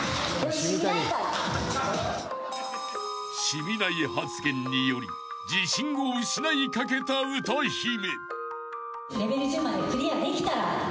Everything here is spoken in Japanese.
［染みない発言により自信を失いかけた歌姫］